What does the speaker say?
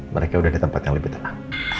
mereka udah di tempat yang lebih tenang